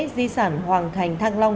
di sản hoàng thành thang long